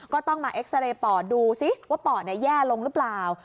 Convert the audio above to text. ก็ต้องมาเอ็กซาเรย์ปอดดูซิว่าปอดแย่ลงหรือเปล่า